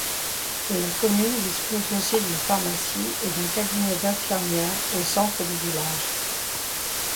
La commune dispose aussi d'une pharmacie et d'un cabinet d'infirmière au centre du village.